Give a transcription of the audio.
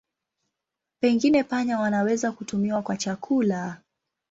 Pengine panya wanaweza kutumiwa kwa chakula.